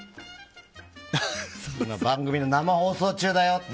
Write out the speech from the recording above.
今、番組の生放送中だよって。